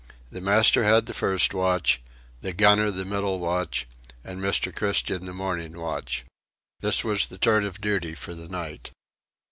The master had the first watch, the gunner the middle watch, and Mr. Christian the morning watch. This was the turn of duty for the night.